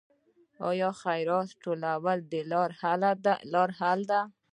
آیا خیرات ټولول د حل لاره ده؟